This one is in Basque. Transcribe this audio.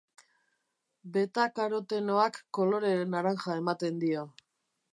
Betakarotenoak kolore naranja ematen dio.